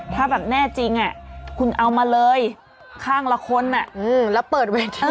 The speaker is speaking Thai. ถ้าแบบแน่จริงคุณเอามาเลยข้างละคนแล้วเปิดเวที